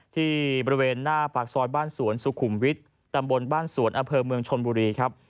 ที่แบบเนียนหน้าปากซอยเราชุมวิทอย่างว่าเป็นต้นภาพบาทนะครับ